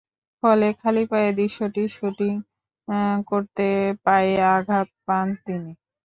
ফলে খালি পায়ে দৃশ্যটির শুটিং করতে গিয়ে পায়ে আঘাতে পান তিনি।